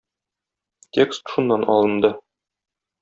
Текст шуннан алынды.